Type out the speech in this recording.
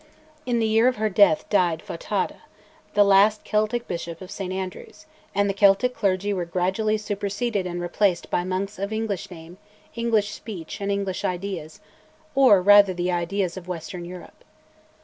In the year of her death died Fothadh, the last Celtic bishop of St Andrews, and the Celtic clergy were gradually superseded and replaced by monks of English name, English speech, and English ideas or rather the ideas of western Europe.